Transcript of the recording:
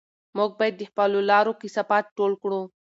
موږ باید د خپلو لارو کثافات ټول کړو.